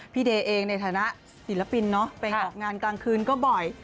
เดย์เองในฐานะศิลปินเนาะไปออกงานกลางคืนก็บ่อย